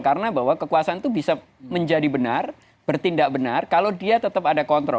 karena bahwa kekuasaan itu bisa menjadi benar bertindak benar kalau dia tetap ada kontrol